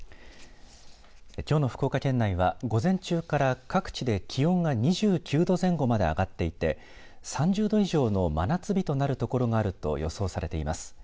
きょうの福岡県内は午前中から各地で気温が２９度前後まで上がっていて３０度以上の真夏日となる所があると予想されています。